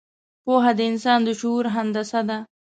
پوهه د انسان د شعور هندسه ده.